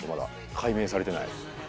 解明されてない。